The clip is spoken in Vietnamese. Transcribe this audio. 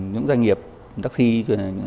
những doanh nghiệp taxi truyền thống